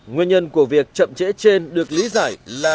nguyên nhân của việc chậm trễ trên được lý giải là